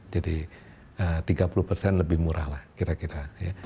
jadi tiga puluh persen lebih murah lah kira kira